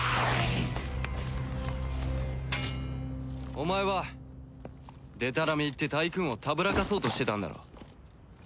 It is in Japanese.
お前はでたらめ言ってタイクーンをたぶらかそうとしてたんだろ。